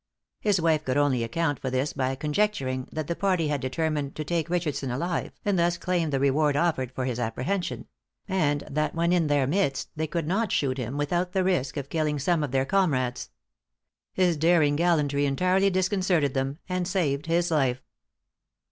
His wife could only account for this by conjecturing that the party had determined to take Richardson alive, and thus claim the reward offered for his apprehension; and that when in their midst, they could not shoot him without the risk of killing some of their comrades. His daring gallantry entirely disconcerted them, and saved his life.